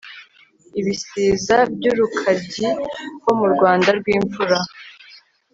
ibisiza byUrukaryi Ho mu Rwanda rwimfura